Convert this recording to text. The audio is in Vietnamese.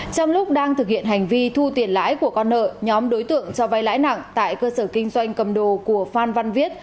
trong lúc đang thực hiện hành vi thu tiền lãi của con nợ nhóm đối tượng cho vay lãi nặng tại cơ sở kinh doanh cầm đồ của phan văn viết